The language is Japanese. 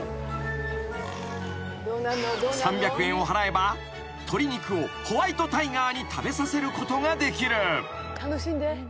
［３００円を払えば鶏肉をホワイトタイガーに食べさせることができる］